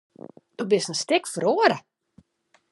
Do bist in stik feroare.